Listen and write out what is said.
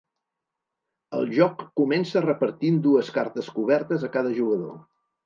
El joc comença repartint dues cartes cobertes a cada jugador.